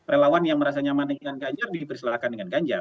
relawan yang merasa nyaman dengan ganjar dipersilahkan dengan ganjar